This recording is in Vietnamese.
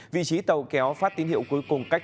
vị trí tàu kéo phát tín hiệu cuối cùng cách